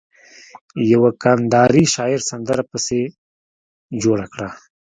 يوه کنداري شاعر سندره پسې جوړه کړه.